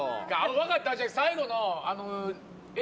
分かったじゃあ最後の。